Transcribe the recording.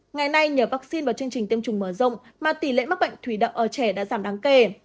ngày nay nhờ vaccine và chương trình tiêm chủng mở rộng mà tỷ lệ mắc bệnh thủy đậm ở trẻ đã giảm đáng kể